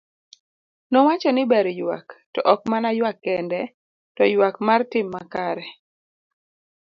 Nowacho ni ber ywak, to ok mana ywak kende, to ywak mar tim makare.